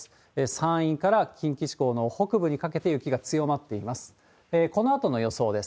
山陰から近畿地方の北部にかけて雪が強まっています。